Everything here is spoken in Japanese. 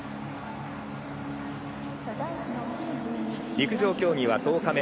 陸上競技は１０日目。